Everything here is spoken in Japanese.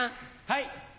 はい。